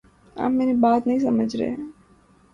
آپ میری بات نہیں سمجھ رہے